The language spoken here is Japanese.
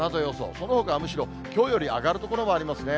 そのほかはむしろきょうより上がる所もありますね。